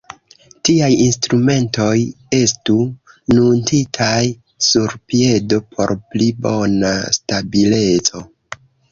Tiaj instrumentoj estu muntitaj sur piedo por pli bona stabileco.